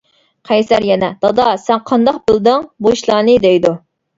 قەيسەر يەنە: دادا سەن قانداق بىلدىڭ، بۇ ئىشلارنى دەيدۇ.